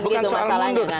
bukan soal mundur